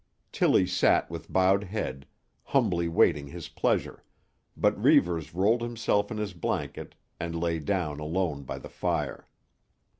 Tillie sat with bowed head, humbly waiting his pleasure, but Reivers rolled himself in his blanket and lay down alone by the fire.